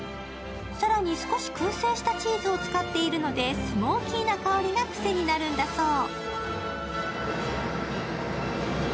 更に、少しくん製したチーズを使っているので、スモーキーな香りがくせになるんだそう。